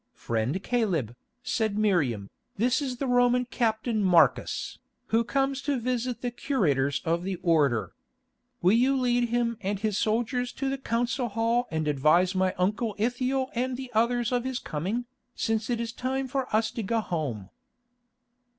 "Friend Caleb," said Miriam, "this is the Roman captain Marcus, who comes to visit the curators of the Order. Will you lead him and his soldiers to the council hall and advise my uncle Ithiel and the others of his coming, since it is time for us to go home?"